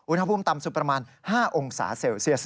อุณหภูมิต่ำสุดประมาณ๕องศาเซลเซียส